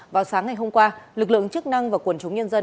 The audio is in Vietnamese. vào sáng ngày hôm qua lực lượng chức năng và quần chúng nhân dân